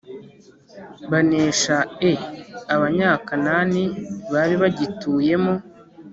banesha eAbanyakanani bari bagituyemo